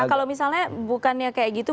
kalau misalnya bukannya kayak gitu